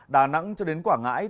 đà nẵng cho đến quảng ngãi